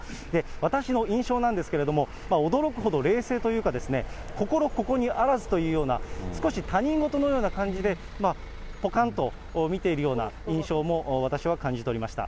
私の印象なんですけれども、驚くほど冷静というか、心ここにあらずというような、少し他人事のような感じで、ぽかんと見ているような印象も私は感じ取りました。